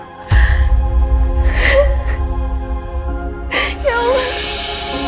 tim inan yg peran diri